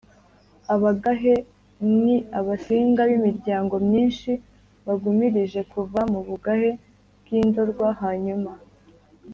abagahe, ni abasinga b’imiryango myinshi bagumirije kuva mu bugahe bw’indorwa hanyuma